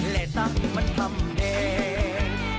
เละตังมันทำเดง